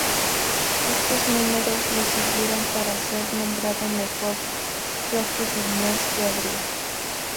Estos números le sirvieron para ser nombrado mejor rookie del mes de abril.